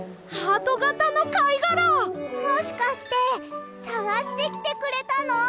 もしかしてさがしてきてくれたの？